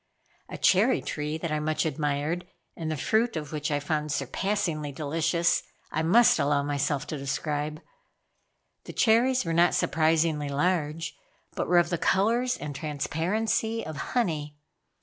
A cherry tree that I much admired, and the fruit of which I found surpassingly delicious, I must allow myself to describe. The cherries were not surprisingly large, but were of the colors and transparency of honey.